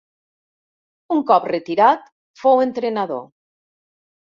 Un cop retirat fou entrenador.